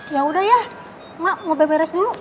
yaudah ya mak mau beberes dulu